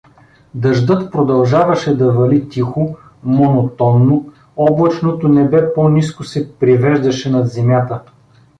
Дъждът продължаваше да вали тихо, монотонно, облачното небе по-ниско се привеждаше над земята.